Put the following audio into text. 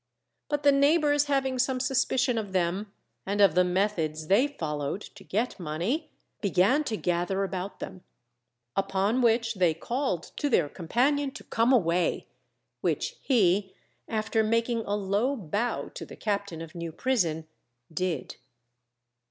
But the neighbours having some suspicion of them, and of the methods they followed to get money, began to gather about them; upon which they called to their companion to come away, which he, after making a low bow to the captain of New Prison, did.